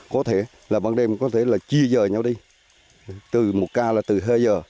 có thể là ban đêm có thể là chia giờ nhau đi từ một ca là từ hai giờ